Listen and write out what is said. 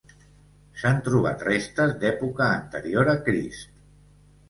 S'han trobat restes d'època anterior a Crist.